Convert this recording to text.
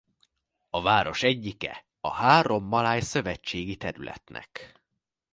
A város egyike a három maláj szövetségi területnek.